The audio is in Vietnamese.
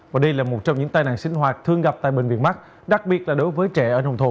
và đây là một trong những tai nạn sinh hoạt thường gặp tại bệnh viện mắt đặc biệt là đối với trẻ ở nông thôn